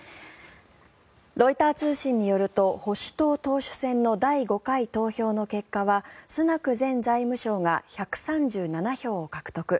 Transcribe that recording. ロイター通信によると保守党党首選の第５回投票の結果はスナク前財務相が１３７票獲得。